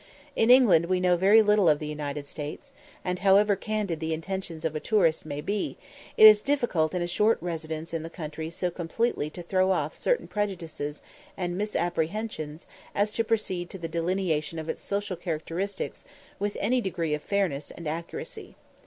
In England we know very little of the United States, and, however candid the intentions of a tourist may be, it is difficult in a short residence in the country so completely to throw off certain prejudices and misapprehensions as to proceed to the delineation of its social characteristics with any degree of fairness and accuracy.